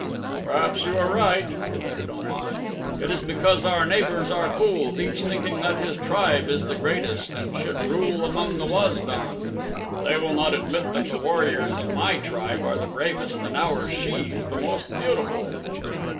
"Perhaps you are right," admitted Om at. "It is because our neighbors are fools, each thinking that his tribe is the greatest and should rule among the Waz don. They will not admit that the warriors of my tribe are the bravest and our shes the most beautiful."